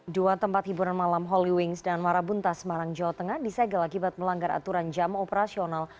dua tempat hiburan malam holy wings dan marabunta semarang jawa tengah disegel akibat melanggar aturan jam operasional